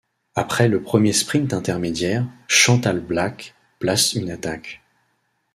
Après le premier sprint intermédiaire, Chantal Blaak place une attaque.